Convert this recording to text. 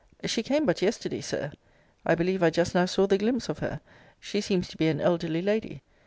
She came but yesterday, Sir I believe I just now saw the glimpse of her. She seems to be an elderly lady.